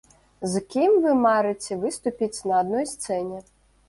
З кім вы марыце выступіць на адной сцэне?